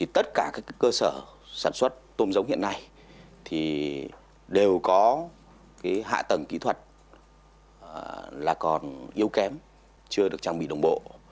tất cả các cơ sở sản xuất tôm giống hiện nay đều có hạ tầng kỹ thuật là còn yếu kém chưa được trang bị đồng bộ